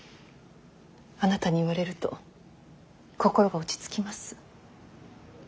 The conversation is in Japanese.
あなたに言われると心が落ち着きます。